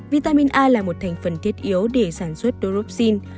vitamin a là một thành phần thiết yếu để sản xuất doropxin